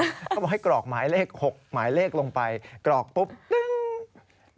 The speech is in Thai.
เขาบอกให้กรอกหมายเลข๖หมายเลขลงไปกรอกปุ๊บตึ้ง